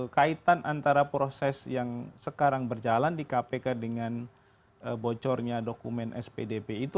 kaitan antara proses yang sekarang berjalan di kpk dengan bocornya dokumen spdp itu